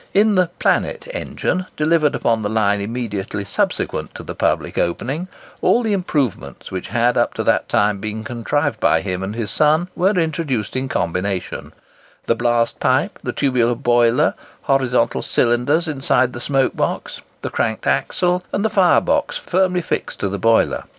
In the "Planet" engine, delivered upon the line immediately subsequent to the public opening, all the improvements which had up to that time been contrived by him and his son were introduced in combination—the blast pipe, the tubular boiler, horizontal cylinders inside the smoke box, the cranked axle, and the fire box firmly fixed to the boiler.